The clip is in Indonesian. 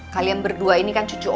kalian berdua ini kan cucu